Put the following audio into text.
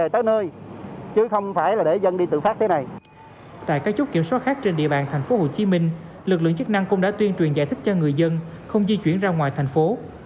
tại cái chút kiểm soát khác trên địa bàn thành phố hồ chí minh lực lượng chức năng cũng đã tuyên truyền giải thích cho người dân không di chuyển ra ngoài thành phố